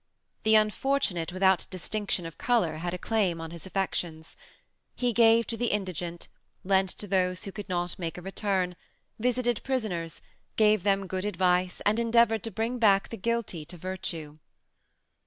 The unfortunate without DISTINCTION OF COLOR had a claim on his affections. He gave to the indigent, lent to those who could not make a return visited prisoners, gave them good advice and endeavored to bring back the guilty to virtue."